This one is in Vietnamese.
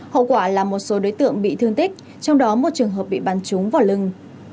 hậu quả là một số đối tượng bị thương tích trong đó một trường hợp bị bắn trúng vào lưng